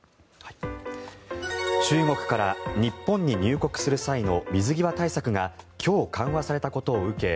中国から日本に入国する際の水際対策が今日、緩和されたことを受け